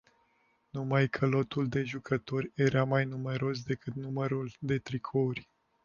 Numai că lotul de jucători era mai numeros decât numărul de tricouri.